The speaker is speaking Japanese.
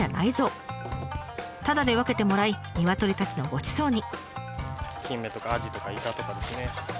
タダで分けてもらいニワトリたちのごちそうに。